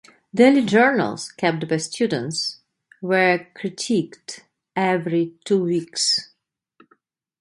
Daily journals kept by students were critiqued every two weeks.